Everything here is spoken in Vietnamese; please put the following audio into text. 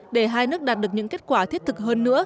để hai nước đạt được những kết quả thiết thực hơn nữa